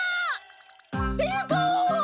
ピンポン！